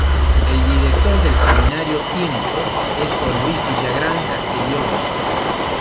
El director del semanario Tiempo es don Luis Villagrán Castellón.